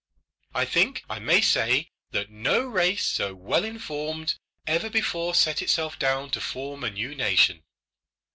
I think I may say that no race so well informed ever before set itself down to form a new nation.